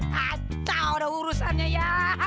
kacau dah urusannya ya